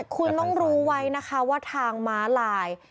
คุณต้องรู้ไว้นะคะว่าทางม้าลาย